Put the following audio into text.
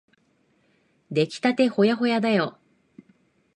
できたてほやほやだよ。